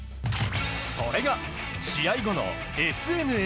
それが試合後のＳＮＳ。